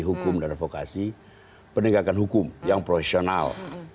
hukum dan advokasi penegakan hukum yang profesional